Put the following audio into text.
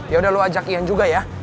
yaudah lo ajak ian juga ya